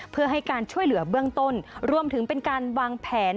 เพื่อให้การช่วยเหลือเบื้องต้นรวมถึงเป็นการวางแผน